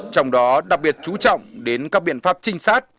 trong đó đặc biệt chú trọng đến các biện pháp trinh sát